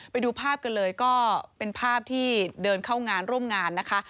ไปดูภาพกันเลยก็เป็นภาพที่เดินเข้างานร่วมงานนะคะ